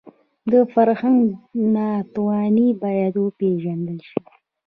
د فرهنګ ناتواني باید وپېژندل شي